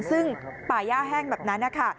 ซึ่งป่าย่าแห้งแบบนั้นนะคะ